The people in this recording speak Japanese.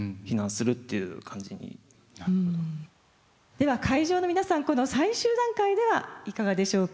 では会場の皆さんこの最終段階ではいかがでしょうか？